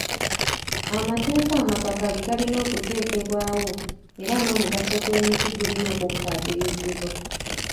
Amateeka amakakali galina okuteekebwawo era n'omugaso gw'emiti gulina okukkaatirizibwa.